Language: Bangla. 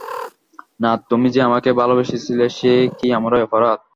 নাথ, তুমি যে আমাকে ভালোবাসিয়াছিলে, সে কি আমারই অপরাধ।